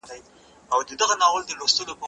زه اجازه لرم چي بوټونه پاک کړم؟!